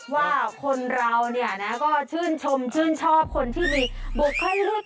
ว่าคนเราก็ชื่นชมชื่นชอบคนที่มีบุคลิก